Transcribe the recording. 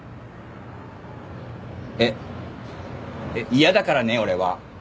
嫌だからね俺は！